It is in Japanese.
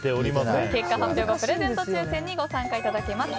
結果発表後、プレゼント抽選にご参加いただけます。